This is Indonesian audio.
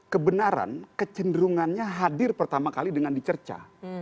kebenaran kecenderungannya hadir pertama kali dengan dicerca